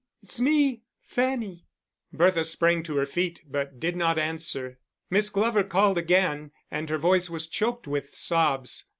It's me Fanny." Bertha sprang to her feet, but did not answer. Miss Glover called again, and her voice was choked with sobs.